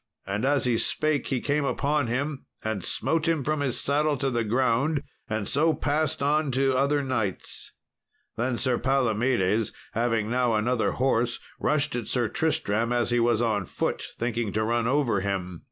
And as he spake he came upon him, and smote him from his saddle to the ground, and so passed on to other knights. Then Sir Palomedes having now another horse rushed at Sir Tristram, as he was on foot, thinking to run over him.